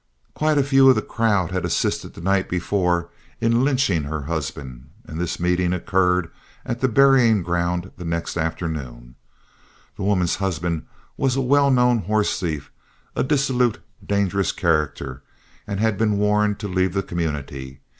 Quite a few of the crowd had assisted the night before in lynching her husband, and this meeting occurred at the burying ground the next afternoon. The woman's husband was a well known horse thief, a dissolute, dangerous character, and had been warned to leave the community.